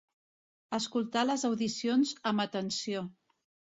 Escoltar les audicions amb atenció.